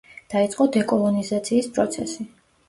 დაიწყო დეკოლონიზაციის პროცესი.